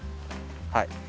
はい。